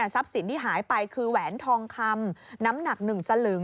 ทรัพย์สินที่หายไปคือแหวนทองคำน้ำหนัก๑สลึง